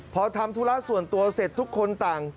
พอทำธุระส่วนตัวเสร็จทุกคนต่าง